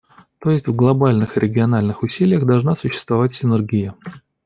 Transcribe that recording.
То есть, в глобальных и региональных усилиях должна существовать синергия.